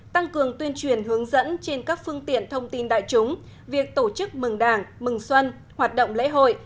tăng cường tuyên truyền hướng dẫn trên các phương tiện thông tin đại chúng việc tổ chức mừng đảng mừng xuân hoạt động lễ hội